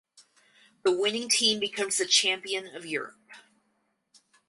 The winning team becomes the champion of Europe.